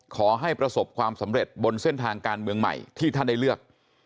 ขอให้ประสบความสำเร็จบนเส้นทางการเมืองใหม่ที่ท่านได้เลือก